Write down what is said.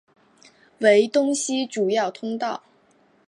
为东西主要通道。